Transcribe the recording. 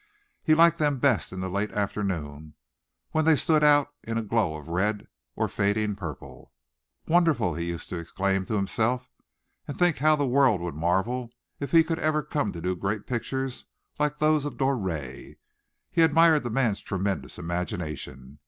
He liked them best in the late afternoon when they stood out in a glow of red or fading purple. "Wonderful," he used to exclaim to himself, and think how the world would marvel if he could ever come to do great pictures like those of Doré. He admired the man's tremendous imagination.